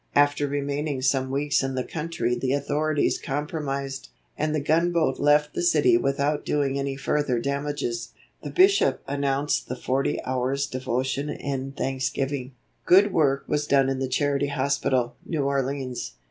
After remaining some weeks in the country the authorities compromised, and the gunboat left the city without doing any further damages. The Bishop announced the Forty Hours' Devotion in thanksgiving. Good work was done in the Charity Hospital, New Orleans.